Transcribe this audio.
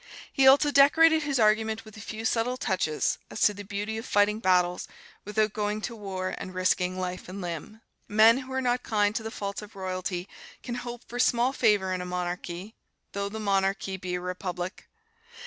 He also decorated his argument with a few subtle touches as to the beauty of fighting battles without going to war and risking life and limb. Men who are not kind to the faults of royalty can hope for small favor in a monarchy, though the monarchy be a republic.